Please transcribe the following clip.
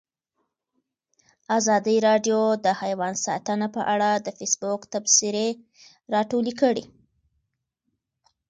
ازادي راډیو د حیوان ساتنه په اړه د فیسبوک تبصرې راټولې کړي.